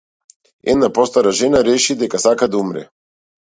Една постара жена реши дека сака да умре.